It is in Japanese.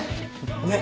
ねっ。